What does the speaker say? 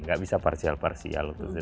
gak bisa parsial parsial